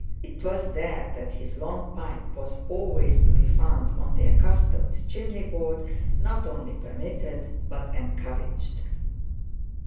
'Twas there that his long pipe was always to be found on the accustomed chimney board, not only permitted but encouraged.